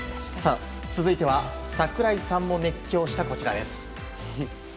続いては、桜井さんも熱狂したこちらです。